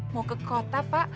mau ke kota pak